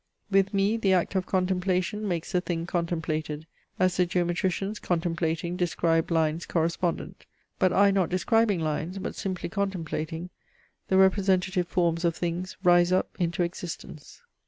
With me the act of contemplation makes the thing contemplated, as the geometricians contemplating describe lines correspondent; but I not describing lines, but simply contemplating, the representative forms of things rise up into existence.